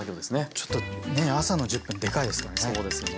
ちょっとね朝の１０分でかいですからね。